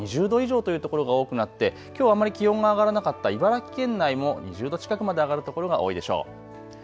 ２０度以上というところが多くなってきょうあまり気温が上がらなかった茨城県内も２０度近くまで上がる所が多いでしょう。